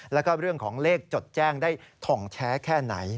แล้วก็เรื่องของเลขจดแจ้งได้ถ่องแท้แค่ไหน